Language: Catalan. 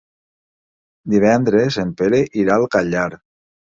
Divendres en Pere irà al Catllar.